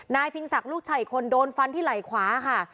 พิงศักดิ์ลูกชายอีกคนโดนฟันที่ไหล่ขวาค่ะ